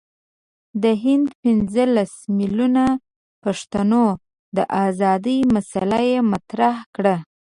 د هند پنځه لس میلیونه پښتنو د آزادی مسله یې مطرح کړه.